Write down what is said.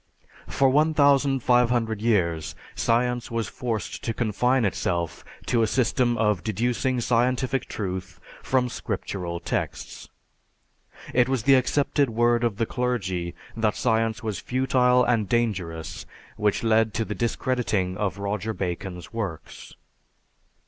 For 1500 years science was forced to confine itself to a system of deducing scientific truth from scriptural texts. It was the accepted word of the clergy that science was futile and dangerous which led to the discrediting of Roger Bacon's works.